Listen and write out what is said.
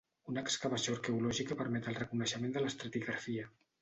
Una excavació arqueològica permet el reconeixement de l'estratigrafia.